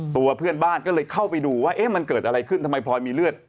ตัวเพื่อนบ้านก็เลยเข้าไปดูว่าเอ๊ะมันเกิดอะไรขึ้นทำไมพลอยมีเลือด